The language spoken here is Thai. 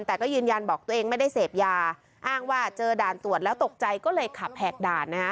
แต่ก็ยืนยันบอกตัวเองไม่ได้เสพยาอ้างว่าเจอด่านตรวจแล้วตกใจก็เลยขับแหกด่านนะฮะ